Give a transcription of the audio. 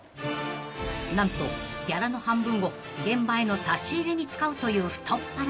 ［何とギャラの半分を現場への差し入れに使うという太っ腹な伝説］